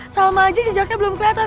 salmanya jejaknya belum kelihatan